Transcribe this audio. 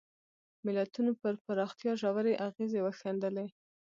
ملتونو پر پراختیا ژورې اغېزې وښندلې.